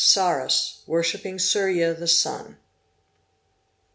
Sauras (worshiping Surya the Sun).